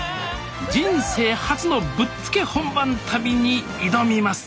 人生初のぶっつけ本番旅に挑みます